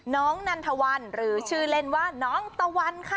นันทวันหรือชื่อเล่นว่าน้องตะวันค่ะ